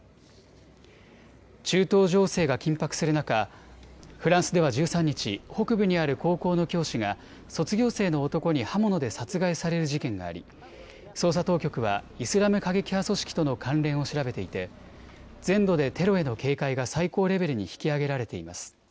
中東情勢が緊迫する中、フランスでは１３日、北部にある高校の教師が卒業生の男に刃物で殺害される事件があり捜査当局はイスラム過激派組織との関連を調べていて全土でテロへの警戒が最高レベルに引き上げられています。